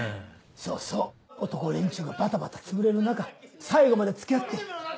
そうそう男連中がバタバタつぶれる中最後まで付き合って。